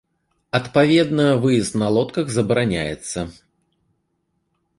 Адпаведна выезд на лодках забараняецца.